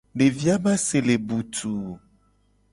Devi a be ase le butuu.